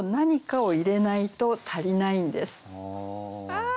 ああ！